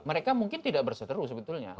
mereka mungkin tidak berseteru sebetulnya